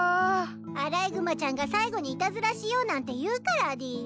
アライグマちゃんが最後にいたずらしようなんて言うからでぃす。